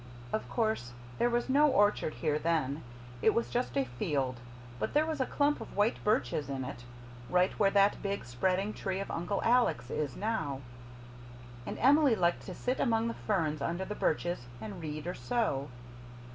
"Of course, there was no orchard here then. It was just a field; but there was a clump of white birches in it, right where that big, spreading tree of Uncle Alec's is now, and Emily liked to sit among the ferns under the birches and read or sew.